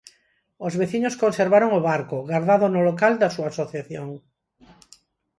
Os veciños conservaron o barco, gardado no local da súa asociación.